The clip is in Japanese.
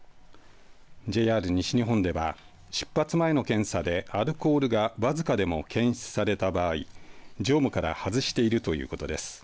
ＪＲ西日本では出発前の検査でアルコールがわずかでも検出された場合乗務から外しているということです。